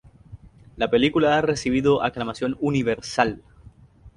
La película ha recibido aclamación universal.